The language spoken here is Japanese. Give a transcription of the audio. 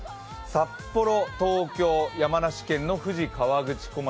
札幌と、東京、山梨県の富士河口湖町